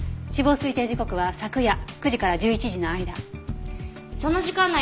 死亡推定時刻は昨夜９時から１１時の間。